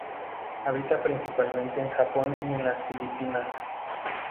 Habita principalmente en Japón y en las Filipinas.